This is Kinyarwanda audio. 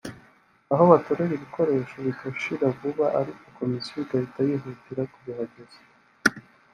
aho batorera ibikoresho bigashira vuba ariko komisiyo igahita yihutira kubihageza